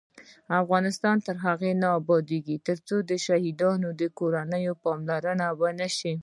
افغانستان تر هغو نه ابادیږي، ترڅو د شهیدانو کورنیو ته پاملرنه ونشي.